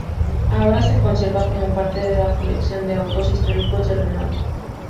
Ahora se conserva como parte de la colección de autos históricos de Renault.